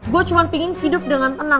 gue cuma pengen hidup dengan tenang